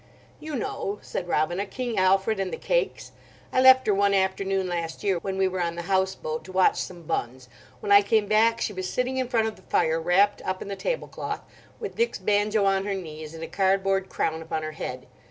"You know," said Robina—"King Alfred and the cakes. I left her one afternoon last year when we were on the houseboat to watch some buns. When I came back she was sitting in front of the fire, wrapped up in the table cloth, with Dick's banjo on her knees and a cardboard crown upon her head.